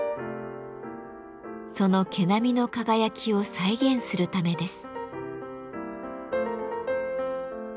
その毛並みの輝きを再現するためです。